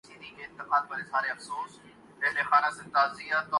تو پھر اسے سب سے پہلے معاشرے کی تربیت کرنی چاہیے۔